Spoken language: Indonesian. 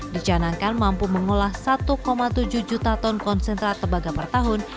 dicanangkan mampu mengolah satu tujuh juta ton konsentrat tembaga per tahun